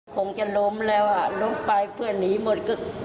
คงจะล้มแล้วลงไปเพื่อนนี้หมด